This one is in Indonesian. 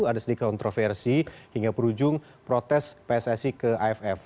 ada sedikit kontroversi hingga perujung protes pssi ke aff